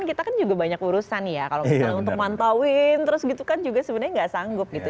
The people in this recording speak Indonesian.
kita kan juga banyak urusan ya kalau misalnya untuk mantauin terus gitu kan juga sebenarnya nggak sanggup gitu